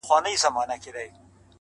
خاموشه هڅه تر لوړ غږه اغېزمنه ده,